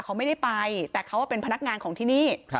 เขาไม่ได้ไปแต่เขาเป็นพนักงานของที่นี่